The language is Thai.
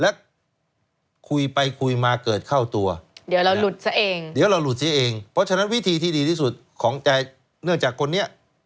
แล้วคุยไปคุยมาเกิดเข้าตัวเดี๋ยวเราหลุดซะเองเดี๋ยวเราหลุดเสียเองเพราะฉะนั้นวิธีที่ดีที่สุดของแกเนื่องจากคนนี้